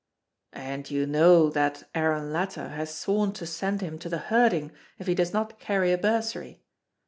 "And you know that Aaron Latta has sworn to send him to the herding if he does not carry a bursary.